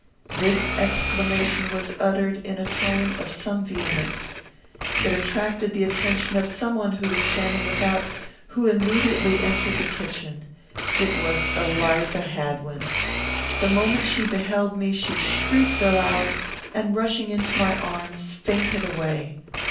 This exclamation was uttered in a tone of some vehemence. It attracted the attention of some one who was standing without, who immediately entered the kitchen. It was Eliza Hadwin. The moment she beheld me she shrieked aloud, and, rushing into my arms, fainted away.